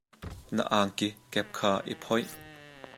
Na angki kep kha i phoih.